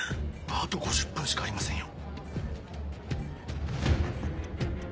あと５０分しかありませんよ。